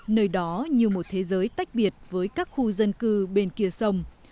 nơi đó như một thế giới tách biệt với các khu dân cư bên kia sông